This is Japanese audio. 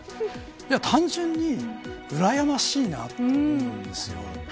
単純にうらやましいなと思いますよ。